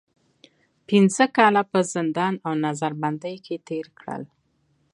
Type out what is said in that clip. پنځه کاله په زندان او نظر بندۍ کې تېر کړل.